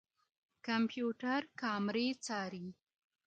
کمپيوټر کامرې څاري.